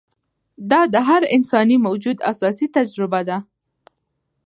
دا د هر انساني موجود اساسي تجربه ده.